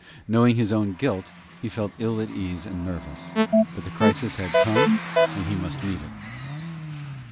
Knowing his own guilt, he felt ill at ease and nervous; but the crisis had come and he must meet it.